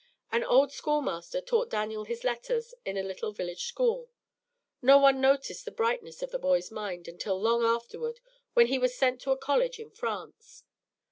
An old schoolmaster taught Daniel his letters in a little village school. No one noticed the brightness of the boy's mind until long afterward, when he was sent to a college in France.